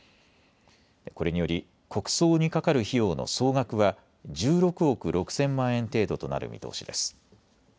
これにより国葬にかかる費用の総額は１６億６０００万円程度となる見通しです。